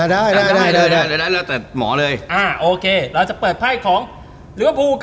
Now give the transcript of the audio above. โหคุณสามารถจัดสนุก